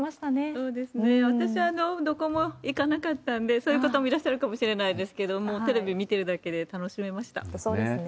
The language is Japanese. そうですね、私はどこも行かなかったんで、そういう方もいらっしゃるかもしれないですけれども、テレビ見てるだけで楽しめまそうですね。